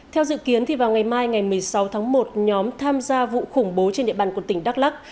theo dự kiến vào ngày mai ngày một mươi sáu tháng một nhóm tham gia vụ khủng bố trên địa bàn quận tỉnh đắk lắc